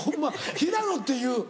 「平野」って言う！